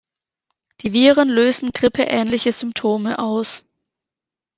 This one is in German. Die Viren lösen grippeähnliche Symptome aus.